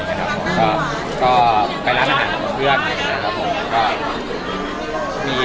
เพื่องเขาครบทุกคน